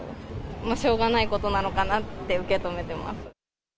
しょうがないことなのかなって受け止めています。